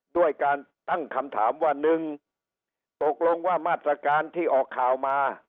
ด้วยการตั้งคำถามว่า๑ตกลงว่ามาตรการที่ออกข่าวมา